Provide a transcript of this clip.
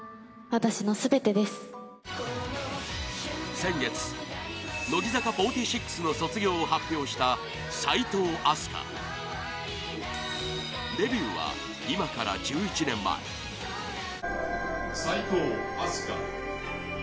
先月、乃木坂４６の卒業を発表した齋藤飛鳥デビューは今から１１年前司会：齋藤飛鳥。